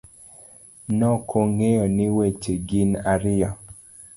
Nokong'eyo ni weche gin ariyo;